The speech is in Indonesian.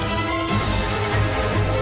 di depan ada